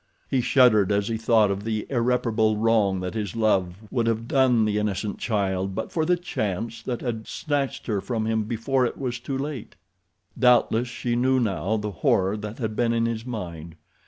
He shuddered as he thought of the irreparable wrong that his love would have done the innocent child but for the chance that had snatched her from him before it was too late. Doubtless she knew now the horror that had been in his mind.